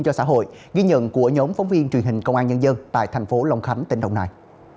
cho xã hội ghi nhận của nhóm phóng viên truyền hình công an nhân dân tại thành phố long khánh tỉnh đồng nai